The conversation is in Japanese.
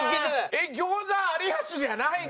えっ餃子有吉じゃないの？